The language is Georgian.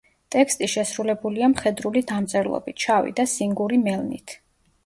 ტექსტი შესრულებულია მხედრული დამწერლობით, შავი და სინგური მელნით.